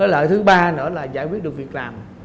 lợi thứ ba nữa là giải quyết được việc làm